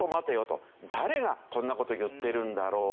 誰がこんな事言ってるんだろうか？